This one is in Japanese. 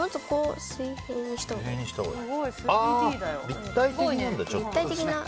立体的なんだ。